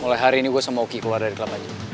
mulai hari ini gua sama wuky keluar dari klub aja